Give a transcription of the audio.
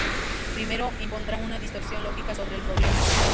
Primero, impondrá una distorsión lógica sobre el problema.